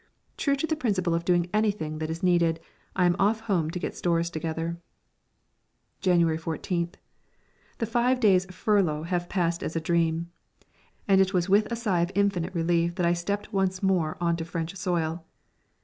True to the principle of doing anything that is needed, I am off home to get the stores together. January 14th. The five days' "furlough" have passed as a dream, and it was with a sigh of infinite relief that I stepped once more on to French soil.